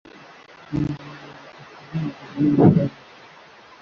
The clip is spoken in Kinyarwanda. sinananirwa kuba umugore mwiza wurugero